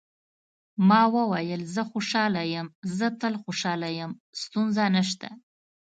ما وویل: زه خوشاله یم، زه تل خوشاله یم، ستونزه نشته.